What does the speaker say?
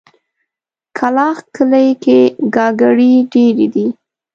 کلاخ کلي کې ګاګرې ډېرې دي.